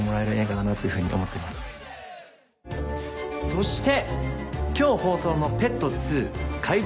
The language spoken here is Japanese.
そして！